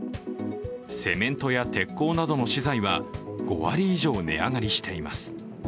セメントや鉄鋼などの資材は５割以上、値上がりしています。